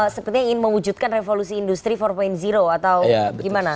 sepertinya ingin mewujudkan revolusi industri empat atau gimana